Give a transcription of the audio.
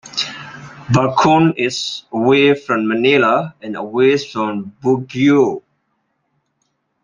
Bakun is away from Manila and away from Baguio.